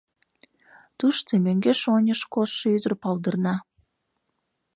Тушто мӧҥгеш-оньыш коштшо ӱдыр палдырна.